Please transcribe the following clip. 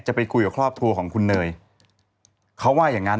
จะไปคุยกับครอบครัวของคุณเนยเขาว่าอย่างงั้น